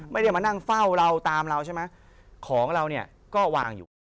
ไม่ได้มานั่งเฝ้าเราตามเราใช่ไหมของเราเนี่ยก็วางอยู่